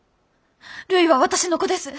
るいは私の子です。